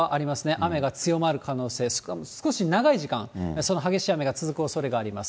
雨が強まる可能性、しかも少し長い時間、その激しい雨が続くおそれがあります。